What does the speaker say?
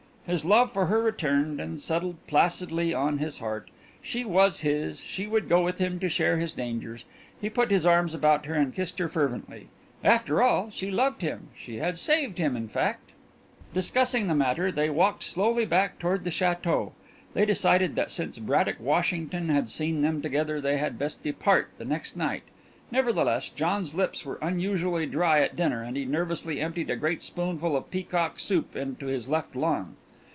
His love for her returned and settled placidly on his heart. She was his she would go with him to share his dangers. He put his arms about her and kissed her fervently. After all she loved him; she had saved him, in fact. Discussing the matter, they walked slowly back toward the château. They decided that since Braddock Washington had seen them together they had best depart the next night. Nevertheless, John's lips were unusually dry at dinner, and he nervously emptied a great spoonful of peacock soup into his left lung.